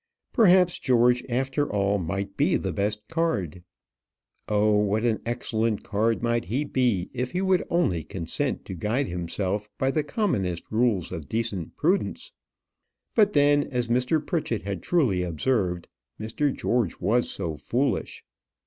Perhaps George after all might be the best card. Oh, what an excellent card might he be if he would only consent to guide himself by the commonest rules of decent prudence! But then, as Mr. Pritchett had truly observed, Mr. George was so foolish!